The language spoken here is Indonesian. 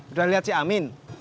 udah liat si amin